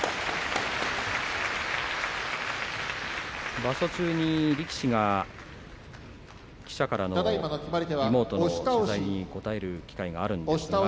場所中に力士が記者からのリモートの取材に答える機会があるんですけれど。